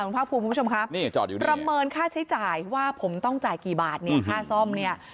คุณภาคภูมิคุณผู้ชมครับนี่จอดอยู่ด้านนี้ระเมินค่าใช้จ่ายว่าผมต้องจ่ายกี่บาทนี่ค่าซ่อมเนี่ย